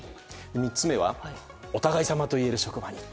３つ目はお互い様と言える職場に。